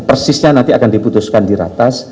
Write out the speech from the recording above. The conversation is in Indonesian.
persisnya nanti akan diputuskan di ratas